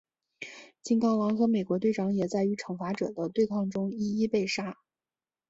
金刚狼和美国队长也在与惩罚者的对抗中一一被杀。